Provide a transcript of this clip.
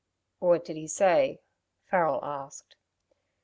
"What did he say?" Farrel asked.